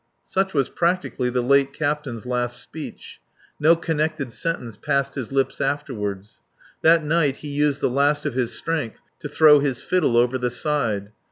"Such was practically the late captain's last speech. No connected sentence passed his lips afterward. That night he used the last of his strength to throw his fiddle over the side.